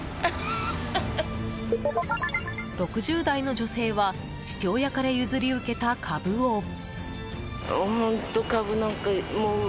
６０代の女性は父親から譲り受けた株を。